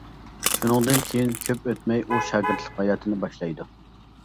شۇنىڭدىن كېيىن كۆپ ئۆتمەي ئۇ شاگىرتلىق ھاياتىنى باشلايدۇ.